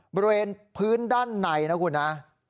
บริเวณพื้นด้านในนะคุณนะ